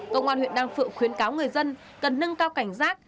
công an huyện đan phượng khuyến cáo người dân cần nâng cao cảnh giác